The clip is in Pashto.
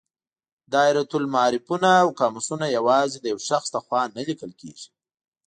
دایرة المعارفونه او قاموسونه یوازې د یو شخص له خوا نه لیکل کیږي.